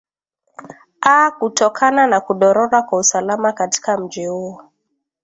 aa kutokana na kudorora kwa usalama katika mji huo